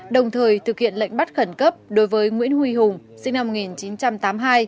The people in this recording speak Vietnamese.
đồng thời thực hiện lệnh bắt khẩn cấp đối với nguyễn huy hùng sinh năm một nghìn chín trăm tám mươi hai